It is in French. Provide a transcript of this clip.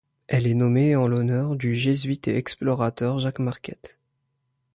Elle est nommée en l'honneur du jésuite et explorateur Jacques Marquette.